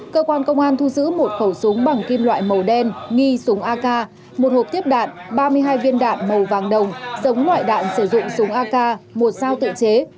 cơ quan công an thu giữ một khẩu súng bằng kim loại màu đen nghi súng ak một hộp tiếp đạn ba mươi hai viên đạn màu vàng đồng giống ngoại đạn sử dụng súng ak một dao tự chế